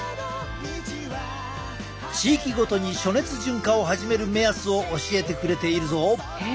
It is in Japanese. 地域ごとに暑熱順化を始める目安を教えてくれているぞ。